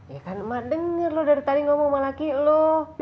ya kan emak denger lo dari tadi ngomong sama laki lo